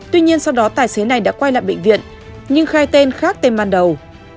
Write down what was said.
tuy nhiên sau đó tài xế này đã quay lại bệnh viện nhưng khai tên khác tên ban đầu